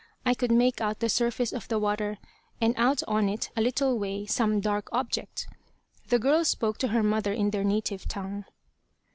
I could make out the surface of the water, and out on it a little way some dark object. The girl spoke to her mother in their native tongue.